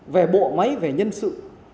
về bộ máy về nhân sự